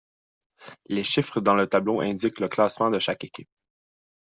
Les chiffres dans le tableau indiquent le classement de chaque équipe.